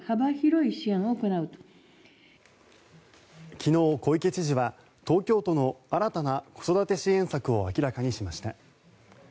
昨日、小池知事は東京都の新たな子育て支援策を明らかにしました。